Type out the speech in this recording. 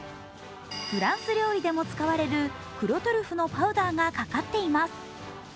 フランス料理でも使われる黒トリュフのパウダーがかかっています。